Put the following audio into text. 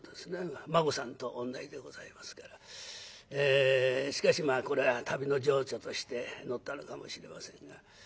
馬子さんと同じでございますからしかしまあこれは旅の情緒として乗ったのかもしれませんが。